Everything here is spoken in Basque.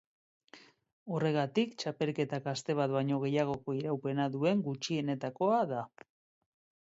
Horregatik, txapelketak aste bat baino gehiagoko iraupena duen gutxienetakoa da.